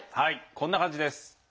こんな感じです。